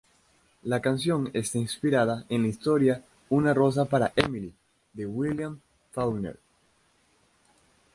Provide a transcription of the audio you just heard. La canción está inspirada en la historia "Una rosa para Emily" de William Faulkner.